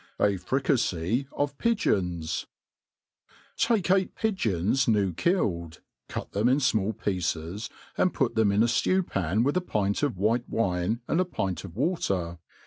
J Fricafey of Pigeons^ TAKE eight pigeons new killed, cut them in fmall pieces, and put them in a ftew pan with a pint of white wine and a pint of water.